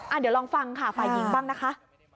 เดี๋ยวลองฟังค่ะฝ่ายหญิงบ้างนะคะ